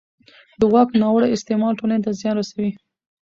د واک ناوړه استعمال ټولنې ته زیان رسوي